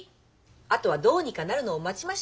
あとはどうにかなるのを待ちましょ！